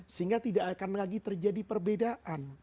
sehingga tidak akan lagi terjadi perbedaan